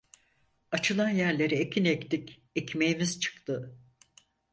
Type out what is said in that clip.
Açılan yerlere ekin ektik, ekmeğimiz çıktı.